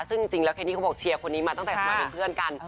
ซึ่งจริงแล้วเคนนี่เขาบอกเชียร์คนนี้มาตั้งแต่สมัยเป็นเพื่อนกัน